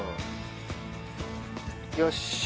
よし。